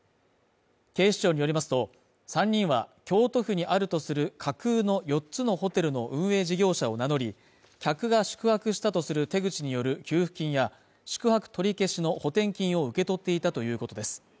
警視庁によりますと、３人は、京都府にあるとする架空の四つのホテルの運営事業者を名乗り、客が宿泊したとする手口による給付金や宿泊取り消しの補填金を受け取っていたということです。